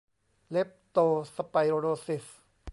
เลปโตสไปโรซิส